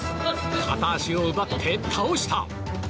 片足を奪って、倒した！